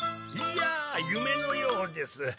いやあ夢のようです。